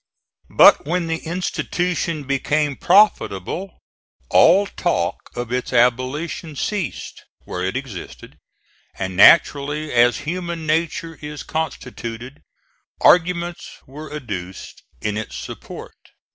But when the institution became profitable, all talk of its abolition ceased where it existed; and naturally, as human nature is constituted, arguments were adduced in its support.